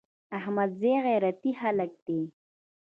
احمدزي غيرتي خلک دي.